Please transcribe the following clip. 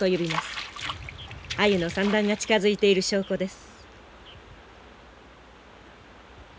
アユの産卵が近づいている証拠です。